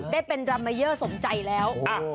ได้เป็นรัมมาเยอร์สมใจแล้ว